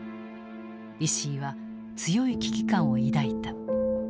石井は強い危機感を抱いた。